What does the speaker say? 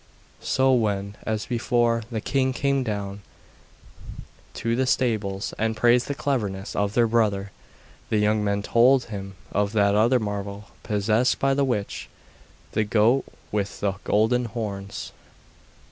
So when, as before, the king came down to the stables and praised the cleverness of their brother, the young men told him of that other marvel possessed by the witch, the goat with the golden horns.